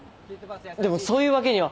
でもそういうわけには。